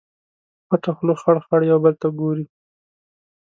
پټه خوله خړ، خړ یو بل ته ګوري